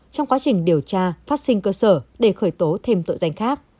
trong quá trình điều tra phát sinh cơ sở để khởi tố thêm tội danh khác